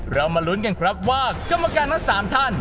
มาลุ้นกันครับว่ากรรมการทั้ง๓ท่าน